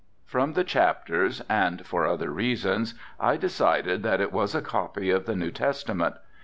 From the chapters and for other reasons I decided that it was a copy of the New Testament.